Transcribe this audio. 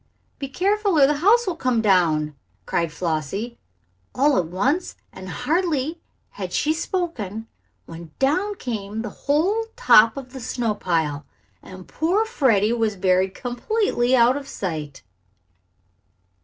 "Be careful, or the house will come down!" cried Flossie, all at once, and hardly had she spoken when down came the whole top of the snow pile and poor Freddie was buried completely out of sight!